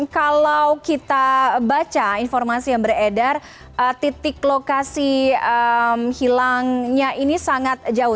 kalau kita baca informasi yang beredar titik lokasi hilangnya ini sangat jauh